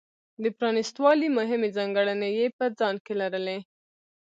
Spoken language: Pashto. د پرانېست والي مهمې ځانګړنې یې په ځان کې لرلې.